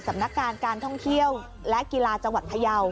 สำนักงานการท่องเที่ยวและกีฬาจังหวัดพยาว